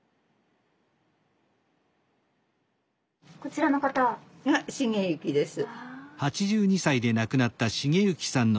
こちらの方？が成幸です。